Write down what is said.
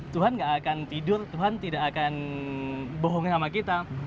tuhan gak akan tidur tuhan tidak akan bohongnya sama kita